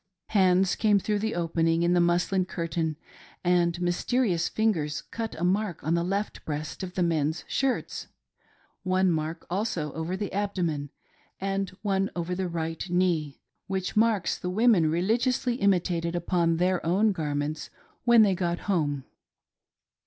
Hands came through the opening in the muslin curtain, and mysterious fingers cut a mark on the left breast of the men's shirts — one mark also over t^e abdomen, and one over the right knee — ^which marks the women religiously imi tated upon their own garments when they got home.